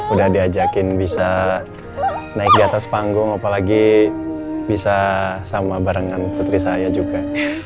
udah diajakin bisa naik di atas panggung apalagi bisa sama barengan putri saya juga